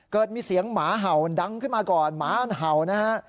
เกิดมีเสียงหมาเห่าดังขึ้นมาก่อนหมามันเห่านะฮะ